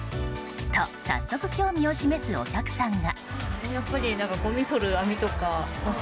と、早速興味を示すお客さんが。